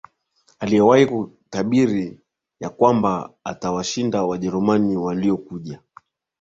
Aliyewahi kutabiri ya kwamba atawashinda Wajerumani waliokuja